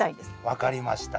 分かりました。